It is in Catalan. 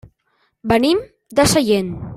Venim de Sellent.